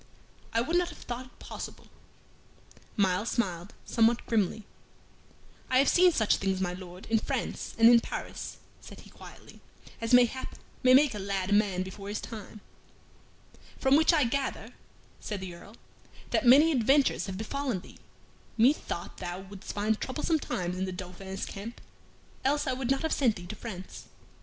"I would not have thought it possible." Myles smiled somewhat grimly. "I have seen such things, my Lord, in France and in Paris," said he, quietly, "as, mayhap, may make a lad a man before his time." "From which I gather," said the Earl, "that many adventures have befallen thee. Methought thou wouldst find troublesome times in the Dauphin's camp, else I would not have sent thee to France."